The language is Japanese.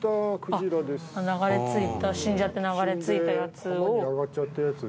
流れ着いた死んじゃって流れ着いたやつ。